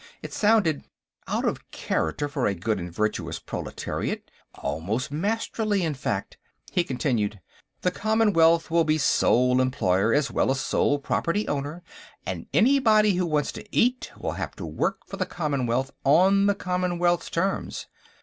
It sounded...." Out of character, for a good and virtuous proletarian; almost Masterly, in fact. He continued: "The Commonwealth will be sole employer as well as sole property owner, and anybody who wants to eat will have to work for the Commonwealth on the Commonwealth's terms.